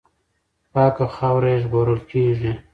پاکه خاوره یې ژغورل کېږي.